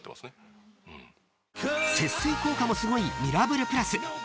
［節水効果もすごいミラブルプラス］